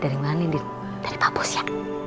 dari mana ini dari papus ya